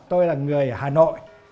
tôi là người hà nội